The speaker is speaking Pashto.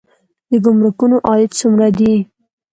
د ګمرکونو عاید څومره دی؟